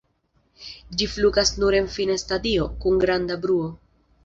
Ĝi flugas nur en fina stadio, kun granda bruo.